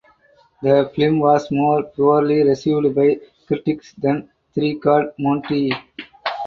The film was more poorly received by critics than "Three Card Monte".